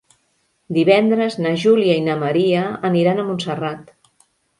Divendres na Júlia i na Maria aniran a Montserrat.